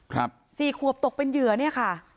สี่ขวบตกเป็นเหยื่อเนี่ยค่ะ